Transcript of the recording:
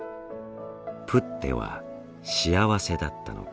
プッテは幸せだったのか。